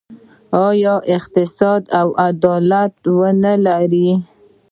آیا چې اقتصاد او عدالت ونلري؟